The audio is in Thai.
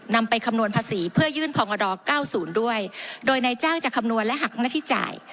นำไปคำนวณภาษีเพื่อยื่นภองอด๙๐ด้วยโดยในจ้างจะคำนวณและหักหน้าที่จ่าย